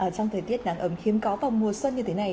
trong thời tiết nắng ấm khiêm có vào mùa xuân như thế này